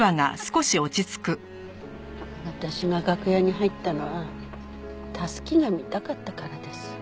私が楽屋に入ったのはたすきが見たかったからです。